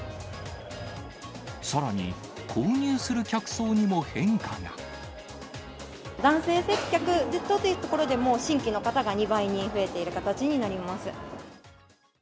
さらに、男性接客というところでも新規の方が２倍に増えている形になります。